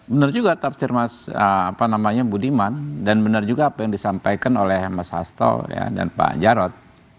benar juga tafsir mas budiman dan benar juga apa yang disampaikan oleh mas hasto dan pak jarod